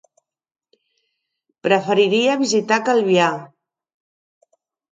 Preferiria visitar Calvià.